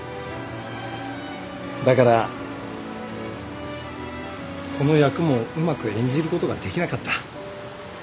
だからこの役もうまく演じることができなかった。